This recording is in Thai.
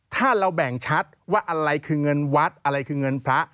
ถ้าเราแบ่งชัดว่าอะไรคือเงินวัดอะไรคือเงินพระ